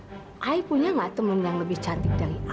saya punya tidak teman yang lebih cantik dari saya